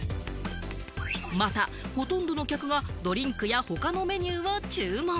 また、ほとんどの客がドリンクや他のメニューを注文。